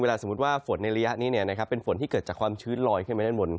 สมมุติว่าฝนในระยะนี้เป็นฝนที่เกิดจากความชื้นลอยขึ้นมาด้านบน